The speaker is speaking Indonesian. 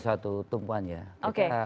satu tumpuan ya kita